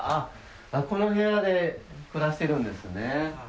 この部屋で暮らしてるんですね。